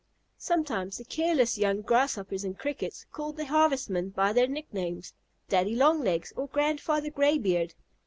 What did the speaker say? Sometimes the careless young Grasshoppers and Crickets called the Harvestmen by their nicknames, "Daddy Long Legs" or "Grandfather Graybeard."